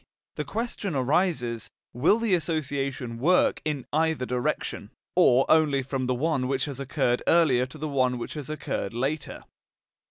The question arises: will the association work in either direction, or only from the one which has occurred earlier to the one which has occurred later?